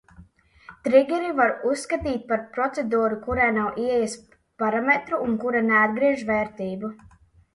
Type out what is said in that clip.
Trigeri var uzskatīt par procedūru, kurai nav ieejas parametru un kura neatgriež vērtību.